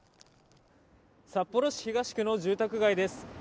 札幌市東区の住宅街です。